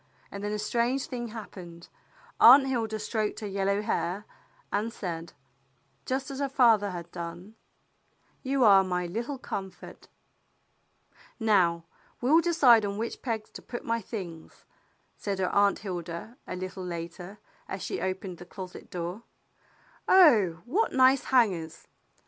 And then a strange thing hap pened. Aunt Hilda stroked her yellow hair, and said, just as her father had done, *' You are my little com fort." "Now we'll decide on which pegs to put my things," said her Aunt Hilda, a little later, as she opened the closet door. "Oh, what nice hangers!